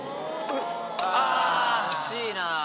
惜しいな。